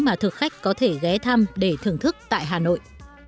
mà thực khách có thể ghé thăm để thưởng thức tại hà nội